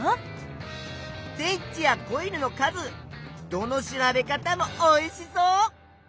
電池やコイルの数どの調べ方もおいしそう！